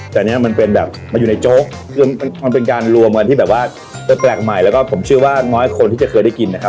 แต่อันนี้มันเป็นแบบมันอยู่ในโจ๊กคือมันเป็นการรวมกันที่แบบว่าแปลกใหม่แล้วก็ผมเชื่อว่าน้อยคนที่จะเคยได้กินนะครับ